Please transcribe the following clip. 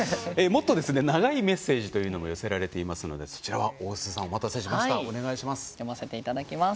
もっと長いメッセージというのも寄せられていますのでそちらもお待たせしました。